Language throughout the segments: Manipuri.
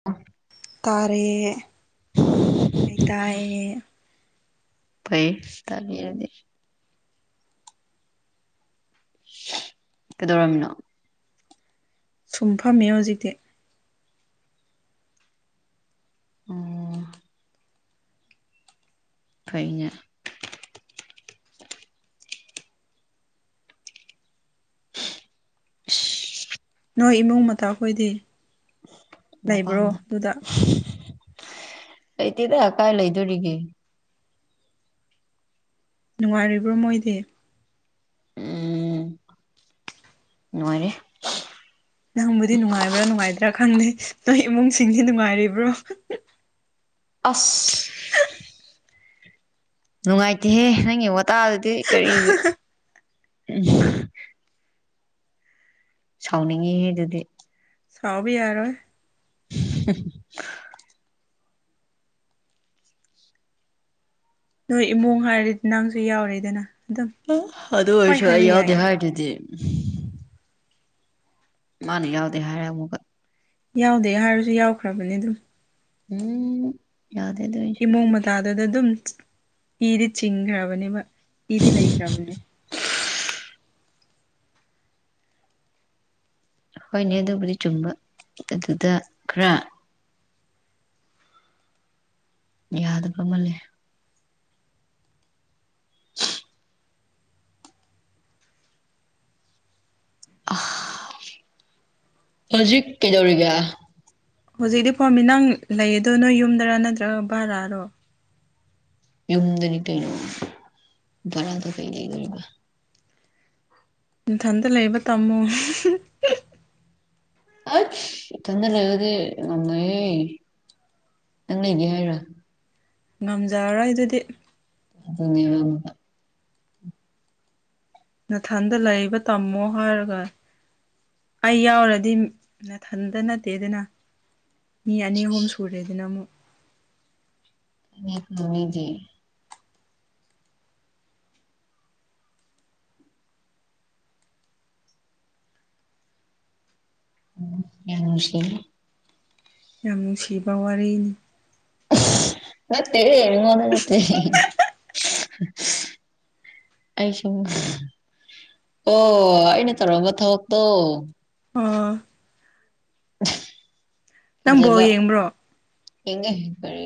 [unintelligible] ꯇꯥꯔꯦ ꯃꯩ ꯇꯥꯏꯌꯦ ꯄꯩ ꯇꯕꯤꯔꯗꯤ ꯀꯩꯗꯧꯔꯝꯃꯤꯅꯣ ꯁꯨꯝ ꯐꯝꯃꯦ ꯍꯧꯖꯤꯛꯇꯤ ꯎ ꯀꯩꯅ ꯅꯣꯏ ꯏꯃꯨꯡ ꯃꯇꯈꯣꯏꯗꯤ ꯃ ꯃꯄꯥꯝꯗ ꯂꯩꯇꯦꯗꯀꯥꯏ ꯂꯩꯗꯣꯔꯤꯒꯦ ꯅꯨꯡꯉꯥꯏꯔꯤꯕ꯭ꯔꯣ ꯃꯣꯏꯗꯤꯦ ꯎꯝ ꯅꯨꯡꯉꯥꯏꯔꯦ ꯅꯪꯕꯨꯗꯤ ꯅꯨꯡꯉꯥꯏꯕ꯭ꯔꯥ ꯅꯨꯡꯉꯥꯏꯗ꯭ꯔꯥ ꯈꯪꯗꯦ ꯅꯣꯏ ꯏꯃꯨꯡꯁꯤꯡꯗꯤ ꯅꯨꯡꯉꯥꯏꯔꯤꯕ꯭ꯔꯣ ꯑꯐ ꯅꯨꯡꯉꯥꯏꯇꯦꯍꯦ ꯅꯪꯒꯤ ꯋꯥꯇꯥ ꯑꯗꯨꯗꯤ ꯀꯔꯤ ꯎꯝ ꯁꯥꯎꯅꯤꯡꯉꯤ ꯑꯗꯨꯗꯤ ꯁꯥꯎꯕꯤ ꯌꯥꯔꯣ ꯍ ꯅꯣꯏ ꯏꯃꯨꯡ ꯍꯥꯏꯔꯗꯤ ꯅꯪꯁꯨ ꯌꯥꯎꯔꯦꯗꯅ ꯑꯗꯨꯝ ꯑꯗꯨ ꯍꯣꯏ ꯑꯣꯏꯔꯁꯨ ꯑꯩ ꯍꯥꯏꯕ ꯌꯥꯎꯗꯦ ꯌꯥꯏꯌꯦꯅ ꯍꯥꯏꯔꯗꯨꯗꯤ ꯃꯥꯅ ꯌꯥꯎꯗꯦ ꯍꯥꯏꯔꯦ ꯑꯃꯨꯛ ꯌꯥꯎꯗꯦ ꯍꯥꯏꯔꯁꯨ ꯌꯥꯎꯈ꯭ꯔꯕꯅꯤ ꯑꯗꯨꯝ ꯎꯝ ꯌꯥꯎꯗꯦ ꯑꯗꯨ ꯑꯣꯏꯁꯨ ꯃꯑꯣꯡ ꯃꯇꯥꯗꯨꯗ ꯑꯗꯨꯝ ꯏꯗꯤ ꯆꯤꯡꯈ꯭ꯔꯕꯅꯦꯕ ꯏꯗꯤ ꯂꯩꯈ꯭ꯔꯕꯅꯤ ꯍꯣꯏꯅꯦ ꯑꯗꯨꯕꯨꯗꯤ ꯆꯨꯝꯕ ꯑꯗꯨꯗ ꯈꯔ ꯌꯥꯗꯕ ꯑꯃꯜꯂꯦ ꯑ ꯍꯧꯖꯤꯛ ꯀꯩꯗꯧꯔꯤꯒꯦ ꯍꯧꯖꯤꯛꯇꯤ ꯄꯥꯝꯃꯤ ꯅꯪ ꯂꯩꯌꯦꯗꯣꯏ ꯅꯣꯏ ꯌꯨꯝꯗꯔꯥ ꯅꯠꯇ꯭ꯔꯒ ꯕꯥꯔꯛꯔꯣ ꯌꯨꯝꯗꯅꯤ ꯀꯩꯅꯣ ꯚꯔꯥꯗꯣ ꯀꯩ ꯂꯩꯗꯣꯔꯤꯕ ꯏꯊꯟꯇ ꯂꯩꯕ ꯇꯥꯝꯃꯣ ꯑꯁ ꯏꯊꯟꯗ ꯂꯩꯔꯗꯤ ꯉꯝꯉꯥꯏꯌꯦꯦ ꯅꯪ ꯂꯩꯒꯦ ꯍꯥꯏꯔꯥ ꯉꯝꯖꯔꯔꯣꯏ ꯑꯗꯨꯗꯤ ꯑꯗꯨ ꯅꯥꯊꯟꯗ ꯂꯩꯕ ꯇꯝꯃꯣ ꯍꯥꯏꯔꯒ ꯑꯩ ꯌꯥꯎꯔꯗꯤ ꯅꯥꯊꯟꯇ ꯅꯠꯇꯦꯗꯅ ꯃꯤ ꯑꯅꯤ ꯑꯍꯨꯝ ꯁꯨꯔꯦꯗꯅ ꯑꯃꯨꯛ ꯅꯤ ꯑꯗꯨꯃꯤꯗꯤ ꯎ ꯌꯥ ꯅꯨꯁꯤ ꯌꯥꯝ ꯅꯨꯡꯁꯤꯕ ꯋꯥꯔꯤꯅꯤ [unintelligible] ꯃꯠꯇꯦꯍꯦ ꯅꯤꯉꯣꯟꯗ ꯅꯠꯇꯦ ꯑꯩꯁꯨ [unintelligible] ꯑꯣ ꯑꯩꯅ ꯇꯧꯔꯝꯕ ꯊꯕꯛꯇꯣ ꯑꯥ ꯅꯪ ꯕꯣꯜ ꯐꯖꯕ ꯌꯦꯡꯕ꯭ꯔꯣ ꯌꯦꯡꯒꯦ ꯀꯔꯤ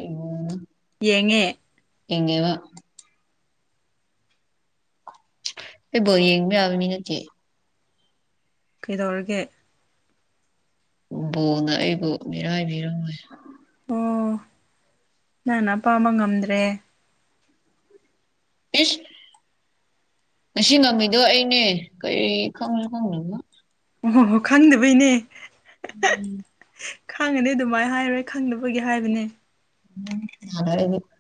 ꯌꯦꯡꯉꯦ ꯌꯦꯡꯒꯦꯕ ꯑꯩ ꯕꯣꯜ ꯌꯦꯡꯕ ꯌꯥꯕ ꯃꯤꯅꯠꯇꯦ ꯀꯩꯗꯧꯔꯒꯦ ꯕꯣꯜꯅ ꯑꯩꯕꯨ ꯃꯤꯔꯥꯏꯕꯤꯔꯝꯂꯦ ꯑꯣ ꯅꯪꯅ ꯑꯄꯥꯝꯕ ꯉꯝꯗ꯭ꯔꯦ ꯏꯁ ꯉꯁꯤ ꯉꯝꯃꯤꯗꯣ ꯑꯩꯅꯦ ꯀꯔꯤ ꯈꯪꯁꯨ ꯈꯪꯗꯣꯏꯅꯣ ꯑꯣ ꯍꯣ ꯍꯣ ꯈꯪꯗꯕꯩꯅꯦ ꯈꯪꯉꯅꯤ ꯑꯗꯨꯃꯥꯏꯅ ꯍꯥꯏꯔꯣꯏ ꯈꯪꯗꯕꯒꯤ ꯍꯥꯏꯕꯅꯦ [unintelligible]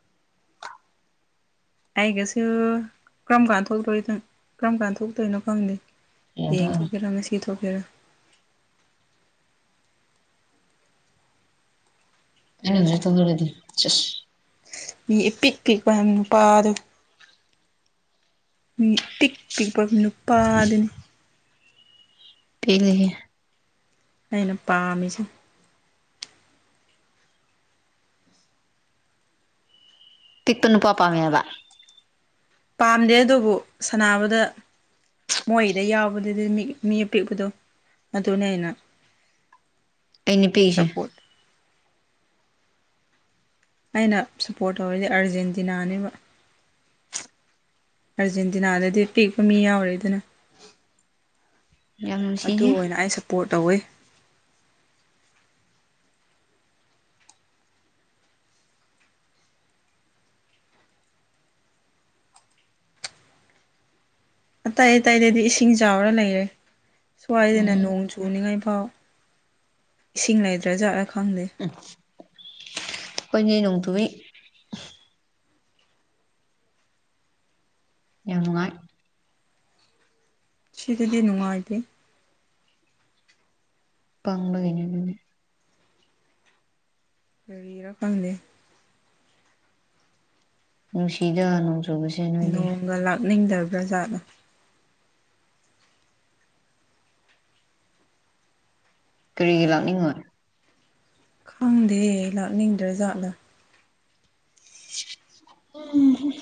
ꯑꯩꯒꯁꯨ ꯀꯔꯝ ꯀꯥꯟꯗ ꯊꯣꯛꯇꯣꯏꯅꯣ ꯀꯔꯝ ꯀꯥꯟꯗ ꯊꯣꯛꯇꯣꯏꯅꯣ ꯈꯪꯗꯦ ꯌꯦꯡꯊꯣꯛꯑꯅꯤ ꯌꯦꯡꯊꯣꯛꯀꯦꯔ ꯉꯁꯤ ꯊꯣꯛꯀꯦꯔ [unintelligible] ꯃꯤ ꯢꯄꯤꯛ ꯄꯤꯛꯄ ꯅꯨꯄꯥ ꯑꯗꯨ ꯃꯤ ꯄꯤꯛ ꯄꯤꯛꯄ ꯅꯨꯄꯥꯗꯨꯅꯤ ꯄꯦꯜꯂꯦꯍꯦ ꯑꯩꯅ ꯄꯥꯝꯃꯤꯁꯦ ꯄꯤꯛꯄ ꯅꯨꯄꯥ ꯄꯝꯃꯦ ꯍꯥꯢꯕ ꯄꯥꯝꯗꯦ ꯑꯗꯨꯕꯨ ꯁꯥꯟꯅꯕꯗ ꯃꯣꯏꯗ ꯌꯥꯎꯕꯗꯨꯗꯤ ꯃꯤ ꯃꯤ ꯑꯄꯤꯛꯄꯗꯣ ꯑꯗꯨꯅꯦ ꯑꯩꯅ ꯑꯩꯅꯤ ꯄꯤꯁꯦ ꯁꯞꯄꯣꯔꯠ ꯑꯩꯅ ꯁꯞꯄꯣꯔꯠ ꯇꯧꯔꯤꯁꯦ ꯑꯥꯔꯖꯦꯟꯇꯤꯅꯥꯅꯦꯕ ꯑꯥꯔꯖꯦꯟꯇꯤꯅꯥꯗꯗꯤ ꯄꯤꯛꯄ ꯃꯤ ꯌꯥꯎꯔꯤꯗꯅ ꯌꯥꯝ ꯑꯗꯨ ꯅꯨꯡꯁꯤꯍꯦ ꯑꯣꯏꯅ ꯑꯩ ꯁꯞꯄꯣꯔꯠ ꯇꯧꯋꯤ ꯑꯇꯩ ꯑꯇꯩꯗꯗꯤ ꯏꯁꯤꯡ ꯆꯥꯎꯔ ꯂꯩꯔꯦ ꯁ꯭ꯋꯥꯏꯗꯅ ꯎꯝ ꯅꯣꯡ ꯆꯨꯅꯤꯡꯉꯥꯏ ꯐꯥꯎ ꯏꯁꯤꯡ ꯂꯩꯗ꯭ꯔꯥ ꯖꯥꯠꯂꯥ ꯈꯪꯗꯦ ꯎꯝ ꯑꯩꯈꯣꯏꯅꯦ ꯅꯣꯡꯇꯨꯏ ꯌꯥꯝ ꯅꯨꯡꯉꯥꯏ ꯁꯤꯗꯗꯤ ꯅꯨꯡꯉꯥꯏꯇꯦ ꯄꯥꯡꯕꯒꯅꯤ ꯀꯔꯤꯔ ꯐꯪꯗꯦ ꯅꯨꯡꯁꯤꯗ ꯅꯣꯡꯆꯨꯕꯁꯤ ꯅꯣꯡꯒ ꯂꯥꯛꯅꯤꯡꯗꯕ꯭ꯔꯥꯖꯥꯠꯅꯣ ꯀꯔꯤꯒꯤ ꯂꯥꯛꯅꯤꯡꯉꯣꯏ ꯈꯪꯗꯦ ꯂꯥꯛꯅꯤꯡꯗ꯭ꯔ ꯖꯥꯠꯂꯥ ꯎꯝ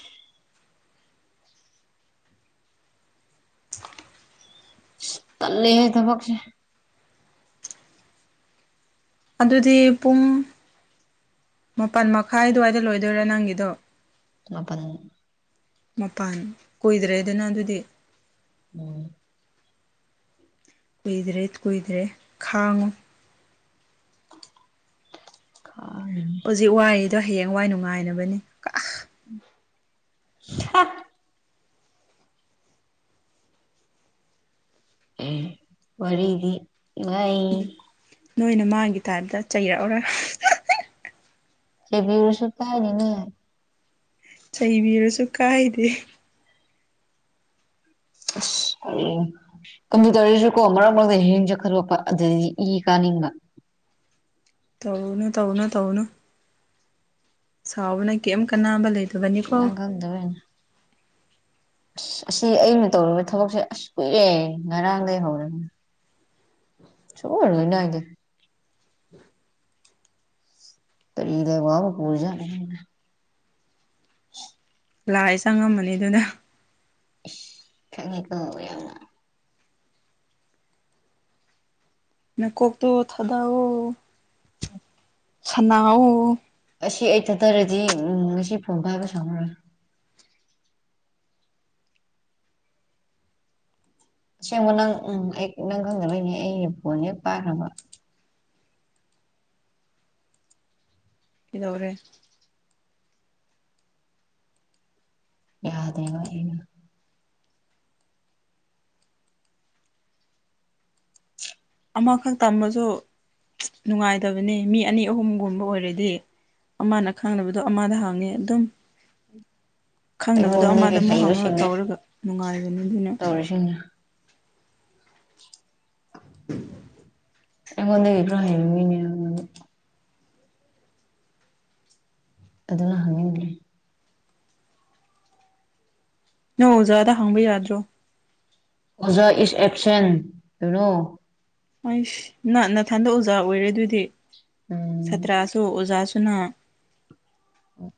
ꯇꯜꯂꯦꯍꯦ ꯊꯕꯛꯁꯦ ꯑꯗꯨꯗꯤ ꯄꯨꯡ ꯃꯥꯄꯟ ꯃꯈꯥꯏ ꯑꯗꯨꯋꯥꯏꯗ ꯂꯣꯏꯗꯣꯏꯔꯥ ꯅꯪꯒꯤꯗꯣ ꯃꯄꯟ ꯃꯄꯟ ꯀꯨꯏꯗ꯭ꯔꯦꯗꯅ ꯑꯗꯨꯗꯤ ꯎꯝ ꯀꯨꯏꯗ꯭ꯔꯦ ꯀꯨꯏꯗ꯭ꯔꯦ ꯈꯥꯡꯉꯨ ꯈꯥꯡꯉꯅꯦ ꯍꯧꯖꯤꯛ ꯋꯥꯏꯗꯣ ꯍꯌꯦꯡꯋꯥꯏ ꯅꯨꯡꯉꯥꯏꯅꯕꯅꯤ [unintelligible] ꯎ ꯋꯥꯔꯤꯗꯤ ꯉ ꯅꯣꯏꯅ ꯃꯥꯒꯤ ꯇꯥꯏꯞꯇ ꯆꯩꯔꯛꯑꯔ ꯁꯤꯕꯤꯔꯁꯨ ꯀꯥꯏꯅꯤꯅꯦ ꯆꯩꯩꯕꯤꯔꯁꯨ ꯀꯥꯏꯗꯦ [unintelligible] ꯀꯝꯄꯨ ꯇꯧꯔꯁꯨꯀꯣ ꯃꯔꯛ ꯃꯔꯛꯇ ꯍꯌꯦꯡ ꯆꯠꯈ꯭ꯔꯣꯄ ꯑꯗꯨꯗꯤ ꯏ ꯀꯥꯅꯤꯡꯕ ꯇꯧꯅ ꯇꯧꯅ ꯇꯧꯅ ꯁꯥꯎꯕꯅ ꯀꯔꯤꯝ ꯀꯅꯥꯕ ꯂꯩꯇꯦ ꯅꯪꯒꯜꯗꯦꯅ ꯑꯁ ꯑꯁꯤ ꯑꯩꯅ ꯇꯧꯔꯤꯕ ꯊꯕꯛꯁꯦ ꯑꯁ ꯀꯨꯏꯔꯦ ꯉꯔꯥꯡꯗꯒꯤ ꯍꯧꯔꯅꯤ ꯆ ꯑꯣꯏꯔꯅ ꯍꯥꯏꯒꯦ ꯇꯔꯤ ꯂꯩ ꯋꯥꯕ ꯄꯖꯅꯤ ꯂꯥꯛꯑꯦ ꯆꯪꯉꯝꯝꯕꯅꯤ ꯑꯗꯨꯅ ꯏ ꯈꯪꯉꯦ ꯈꯪꯉꯑꯣ ꯌꯥ ꯃꯀꯣꯛꯇꯣ ꯊꯥꯗꯣꯛꯑꯣ ꯁꯅꯥꯎ ꯑꯁꯤ ꯑꯩ ꯊꯠꯊꯔꯗꯤ ꯎ ꯉꯁꯤ ꯐꯣꯟ ꯐꯥꯒ ꯁꯥꯎꯅꯔꯦ ꯑꯁꯦꯡꯕꯣ ꯅꯪ ꯎꯝ ꯑꯩ ꯅꯪ ꯈꯪꯗ ꯂꯣꯏꯅꯦ ꯑꯩ ꯐꯣꯟ ꯍꯦꯛ ꯄꯥꯏꯈ꯭ꯔꯕ ꯀꯩꯗꯧꯔꯦ ꯌꯥꯗꯦꯕ ꯑꯩꯅ ꯑꯃꯈꯛ ꯇꯝꯕꯁꯨ ꯅꯨꯡꯉꯥꯏꯇꯕꯅꯤ ꯃꯤ ꯑꯅꯤ ꯑꯍꯨꯝꯒꯨꯝꯕ ꯑꯣꯏꯔꯗꯤ ꯑꯃꯅ ꯈꯪꯅꯕꯗꯣ ꯑꯃꯗ ꯍꯥꯡꯉꯦ ꯑꯗꯨꯝ ꯈꯪꯗꯕꯗꯣ ꯑꯃꯗ ꯑꯩꯉꯣꯟꯗꯒꯤ ꯑꯃꯨꯛ ꯍꯥꯡꯉꯒ ꯇꯧꯔꯒ ꯅꯨꯡꯉꯥꯏꯕꯅꯤ ꯑꯗꯨꯅ ꯑꯣꯏꯅ [inaudible] ꯑꯩꯉꯣꯟꯗꯕꯤꯒ꯭ꯔꯣ ꯍꯥꯏ ꯃꯤꯅꯦꯗꯤ ꯑꯗꯨꯅ ꯍꯪꯅꯤꯡꯗ꯭ꯔꯦ ꯅꯪ ꯑꯣꯖꯥꯗ ꯍꯪꯕ ꯌꯥꯗ꯭ꯔꯣ ꯑꯣꯖꯥ ꯏꯁ ꯑꯦꯛꯁꯟ ꯀꯅꯣ ꯑꯩꯁ ꯅ ꯅꯊꯟꯗ ꯑꯣꯖꯥ ꯑꯣꯏꯔꯦ ꯑꯗꯨꯗꯤ ꯎꯝ ꯁꯥꯇ꯭ꯔꯁꯨ ꯑꯣꯖꯥꯁꯨꯅ ꯑꯣ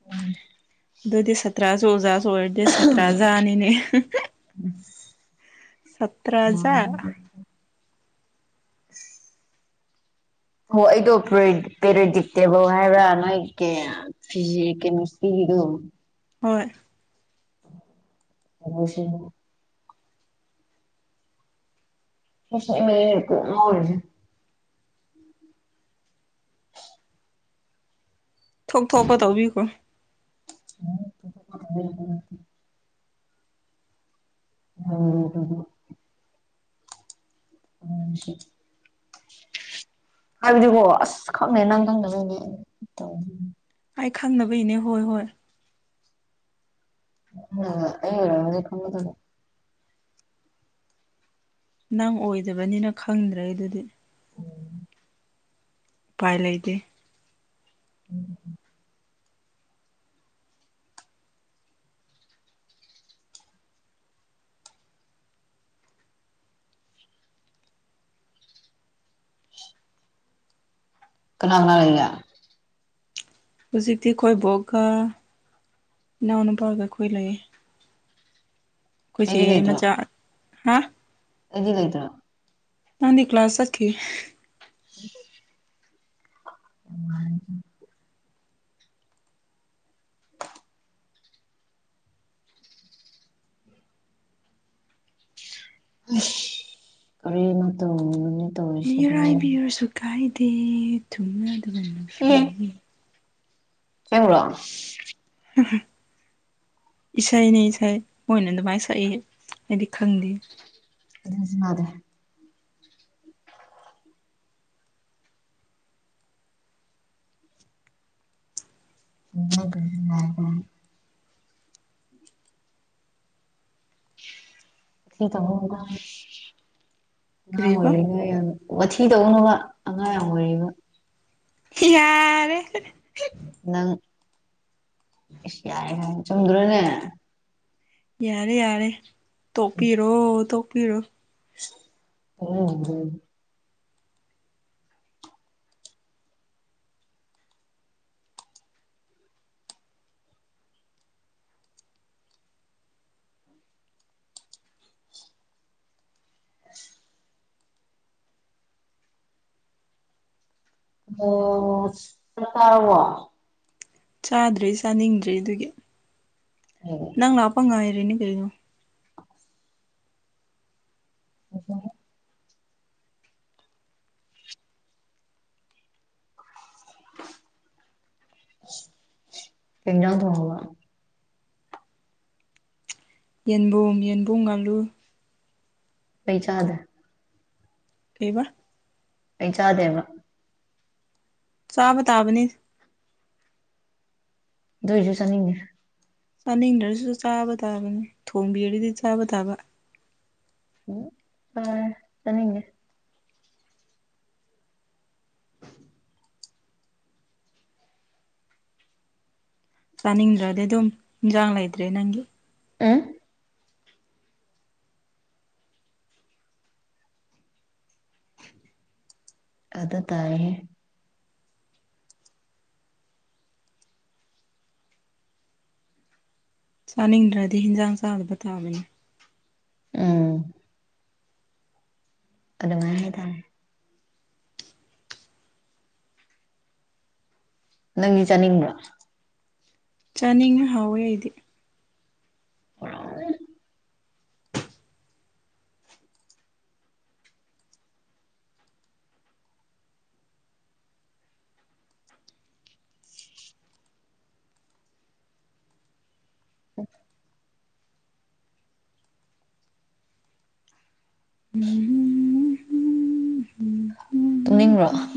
ꯎ [unintelligible] ꯗꯣꯗꯤ ꯁꯇꯔꯥꯁꯨꯣ ꯍꯖꯥ ꯁꯣꯏꯔꯗꯦ ꯁꯠꯇ꯭ꯔꯖꯥꯅꯤꯅꯦ ꯁꯠꯇ꯭ꯔꯖꯥ [inaudible] ꯍ ꯑꯩꯗꯣ ꯄꯦꯔꯣꯗꯤ ꯇꯦꯕꯧ ꯍꯥꯏꯕ꯭ꯔꯥ ꯅꯣꯏ ꯀꯦ ꯐ ꯀꯩꯅꯣ ꯁꯤꯗꯣ ꯍꯣꯏ ꯑꯣ ꯃ ꯃꯜꯖꯦ ꯊꯣꯛ ꯊꯣꯛꯄ ꯇꯧꯕꯤꯈꯣ ꯍ ꯎ ꯍ ꯎꯦ [unintelligible] ꯍꯥꯏꯕꯗꯨꯕꯣ ꯑꯁ ꯈꯪꯅꯦ ꯅꯪ ꯈꯪꯗꯅꯕꯅꯦ ꯑꯩ ꯈꯪꯅꯕꯩꯅꯦ ꯍꯣꯏ ꯍꯣꯏ ꯎ ꯈ [inaudible] ꯅꯪ ꯑꯣꯏꯗꯕꯅꯤꯅ ꯈꯪꯗ꯭ꯔꯦ ꯑꯗꯨꯗꯤ ꯄꯥꯏ ꯂꯩꯗꯦ ꯎꯝ [inaudible] [inaudible] ꯀꯅꯥ ꯀꯅꯥ ꯂꯩꯒꯦ ꯍꯧꯖꯤꯛꯇꯤ ꯑꯩꯈꯣꯏ ꯕꯣꯛꯀ ꯏꯅꯥꯎꯅꯤꯄꯥꯒ ꯑꯩꯈꯣꯏ ꯂꯩꯌꯦ ꯑꯩꯈꯣꯏꯁꯦ ꯑꯩꯗꯤ ꯃꯆꯥ ꯍꯥ ꯑꯦꯗꯤ ꯂꯩꯇꯔꯣ [unintelligible] ꯃꯥꯗꯤ ꯀ꯭ꯂꯥꯁ ꯆꯠꯈꯤ [inaudible] ꯀꯔꯤꯅꯣ ꯇꯧꯔꯤꯗꯨꯕꯨ [unintelligible] ꯃꯤꯔꯥꯏꯕꯤꯔꯁꯨ ꯀꯥꯏꯗꯦ ꯊꯨꯝꯅꯗꯕꯅ ꯐꯩ ꯈꯪꯉꯨꯔꯣ [unintelligible] [inaudible] ꯏꯁꯩꯅꯤ ꯏꯁꯩ ꯃꯣꯏꯅ ꯑꯗꯨꯃꯥꯏꯅ ꯁꯛꯏ ꯑꯩꯗꯤ ꯈꯪꯗꯦ [inaudible] [inaudible] ꯀꯔꯤꯕ [unintelligible] ꯃꯊꯤ ꯇꯧꯒꯅꯣꯕ ꯑꯉꯥꯡ ꯌꯥꯝ ꯑꯣꯏꯔꯤꯕ ꯌꯥꯔꯦ ꯅꯪ ꯏꯁ ꯌꯥꯔꯦ ꯍꯥꯏ ꯆꯨꯝꯗ꯭ꯔꯣꯅꯦ ꯌꯥꯔꯦ ꯌꯥꯔꯦ ꯇꯣꯛꯄꯤꯔꯣ ꯇꯣꯛꯄꯤꯔꯣ ꯎꯝ ꯎꯝ ꯑꯣ ꯆꯥꯛ ꯆꯥꯔꯕꯣ ꯆꯥꯗ꯭ꯔꯤ ꯆꯥꯅꯤꯡꯗ꯭ꯔꯤ ꯑꯗꯨꯒꯤ ꯑꯣ ꯅꯪ ꯂꯥꯛꯄꯥ ꯉꯥꯏꯔꯤꯅꯤ ꯀꯔꯤꯅꯣ [unintelligible] ꯀꯩ ꯖꯥꯡ ꯊꯣꯡꯉꯥꯕ ꯌꯦꯟꯕꯨꯝ ꯌꯦꯟꯕꯨꯝ ꯉꯥꯂꯨ ꯑꯩ ꯆꯥꯗꯦ ꯀꯩꯕ ꯑꯩ ꯆꯥꯗꯦꯕ ꯆꯥꯕ ꯇꯥꯕꯅꯤ ꯑꯗꯨꯏꯁꯨ ꯆꯠꯅꯤꯡꯉꯦ ꯆꯥꯅꯤꯡꯗꯔꯁꯨ ꯆꯥꯕ ꯇꯥꯕꯅꯤ ꯊꯣꯡꯕꯤꯔꯤꯗꯤ ꯆꯥꯕ ꯇꯥꯕ ꯆꯥꯅꯤꯡꯗꯦ ꯆꯥꯅꯤꯡꯗ꯭ꯔꯗꯤ ꯑꯗꯨꯝ ꯏꯟꯖꯥꯡ ꯂꯩꯇ꯭ꯔꯦ ꯅꯪꯒꯤ ꯎ ꯑꯗ ꯇꯥꯏꯍꯦ ꯆꯥꯅꯤꯡꯗ꯭ꯔꯗꯤ ꯍꯤꯟꯖꯥꯡ ꯆꯥꯗꯕ ꯇꯥꯕꯅꯤ ꯎꯝ ꯑꯗꯨꯃꯥꯏ ꯍꯥꯏꯇꯔꯦ ꯅꯪꯗꯤ ꯆꯥꯅꯤꯡꯕꯔꯥ ꯆꯥꯅꯤꯡꯉꯦ ꯍꯥꯎꯋꯦ ꯑꯩꯗꯤ [inaudible] [inaudible] [unintelligible] ꯇꯨꯡꯅꯤꯡꯕ꯭ꯔꯣ ꯎꯝ